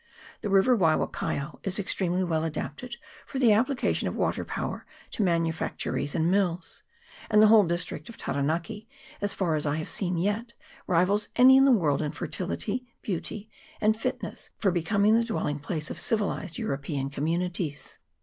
The river Waiwakaio is extremely well adapted for the application of water power to manufactories and mills ; and the whole district of Taranaki, as far as I have yet seen, rivals any in the world in fertility, beauty, and fit ness for becoming the dwelling place of civilised European communities.